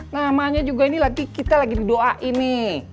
namanya juga ini nanti kita lagi didoain nih